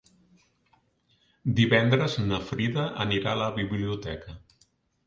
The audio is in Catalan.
Divendres na Frida anirà a la biblioteca.